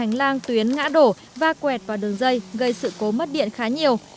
cây cối quẹt vào đường dây gây sự cố mất điện khá nhiều